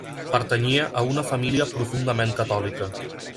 Pertanyia a una família profundament catòlica.